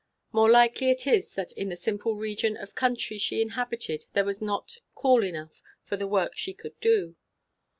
More likely it is that in the simple region of country she inhabited there was not call enough for the work she could do.